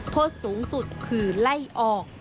โทษสูงสุดคือไล่ออก